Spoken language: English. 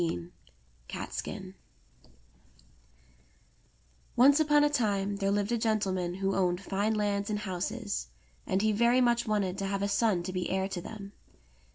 CATSKIN ONCE upon a time there lived a gentleman who owned fine lands and houses, and he very much wanted to have a son to be heir to them.